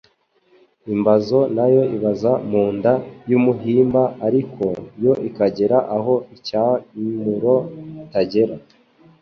Imbazo Nayo ibaza mu nda y'umuhimba ,ariko yo ikagera aho incyamuro itagera.